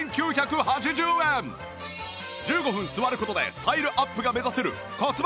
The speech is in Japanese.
１５分座る事でスタイルアップが目指せる骨盤